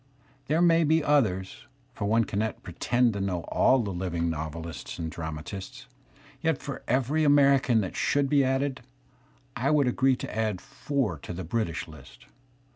There may be others, for one cannot pretend to know all the living novelists and dramatists. Yet for every American that should be added, I would agree to add four to the British list.